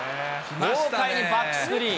豪快にバックスクリーン。